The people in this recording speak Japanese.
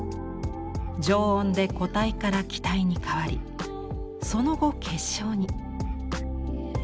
常温で固体から気体に変わりその後結晶に。